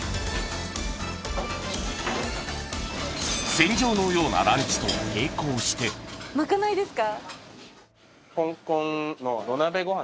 戦場のようなランチと並行してまかないですか？